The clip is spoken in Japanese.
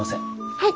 はい。